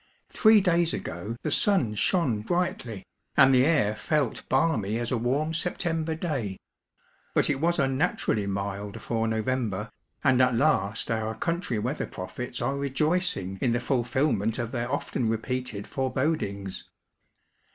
Thiee days ago the sun shone brightly, and the air felt balmy as a warm September day. But it was unnaturally mild for November, and at last our country weather prophets are rejoicing in the fuliEdment of their often repeated forebodings.